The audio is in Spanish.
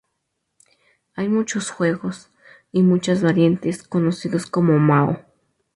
Hay muchos juegos —y muchas variantes— conocidos como Mao.